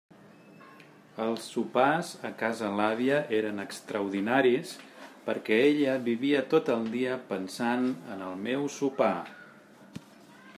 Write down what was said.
Els sopars a casa l'àvia eren extraordinaris perquè ella vivia tot el dia pensant en el meu sopar.